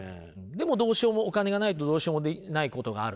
でもどうしようもお金がないとどうしようもないことがあると。